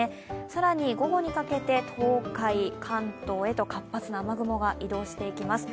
更に、午後にかけて東海、関東へと活発な雨雲が移動していきます。